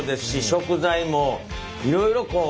食材もいろいろこう